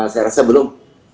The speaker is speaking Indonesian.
saya rasa belum